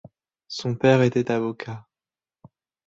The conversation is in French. Son père était avocat.